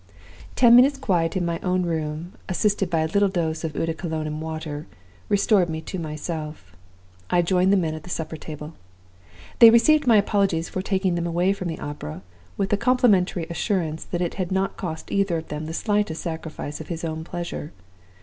"Ten minutes' quiet in my own room (assisted by a little dose of eau de cologne and water) restored me to myself. I joined the men at the supper table. They received my apologies for taking them away from the opera, with the complimentary assurance that I had not cost either of them the slightest sacrifice of his own pleasure.